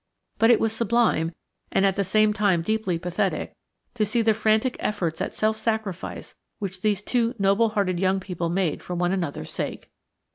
But it was sublime, and at the same time deeply pathetic, to see the frantic efforts at self sacrifice which these two noble hearted young people made for one another's sake.